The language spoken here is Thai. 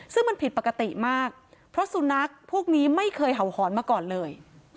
ซึ่งมันผิดปกติมากเพราะสุนัขพวกนี้ไม่เคยเห่าหอนมาก่อนเลย